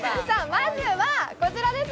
まずはこちらです。